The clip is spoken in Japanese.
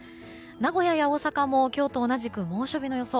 名古屋や大阪も今日と同じく猛暑日の予想。